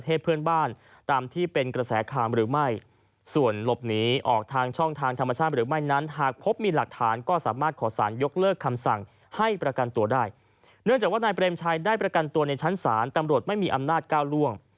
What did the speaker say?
เนื่องจากว่านายเปรมชัยได้ประกันตัวในชั้นศาลตำรวจไม่มีอำนาจก้าวล่วง